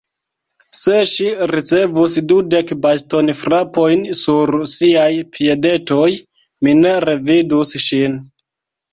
Se ŝi ricevus dudek bastonfrapojn sur siaj piedetoj, mi ne revidus ŝin.